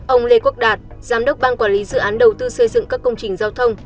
ông lê quốc đạt giám đốc ban quản lý dự án đầu tư xây dựng các công trình giao thông